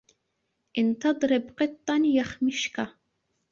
إِنْ تَضْرِبْ قِطًّا يَخْمِشْكَ.